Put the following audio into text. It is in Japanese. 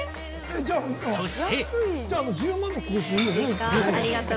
そして。